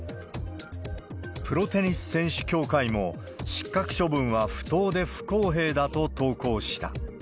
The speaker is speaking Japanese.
プロテニス選手協会も、失格処分は不当で不公平だと投稿した。